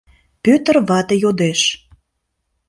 — Пӧтыр вате йодеш.